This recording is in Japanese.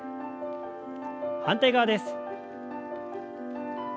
反対側です。